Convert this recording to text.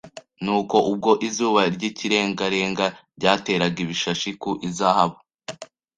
Nuko ubwo izuba ry'ikirengarenga ryateraga ibishashi ku izahabu,